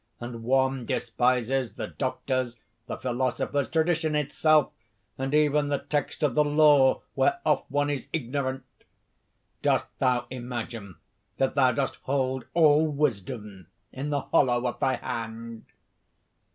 and one despises the doctors, the philosophers, tradition itself, and even the text of the law whereof one is ignorant! Dost thou imagine that thou dost hold all wisdom in the hollow of thy hand?"